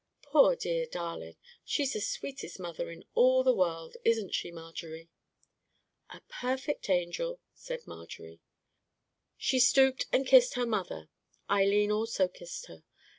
Poor dear darling, she's the sweetest mother in all the world; isn't she, Marjorie?" "A perfect angel," said Marjorie. She stooped and kissed her mother. Eileen also kissed her.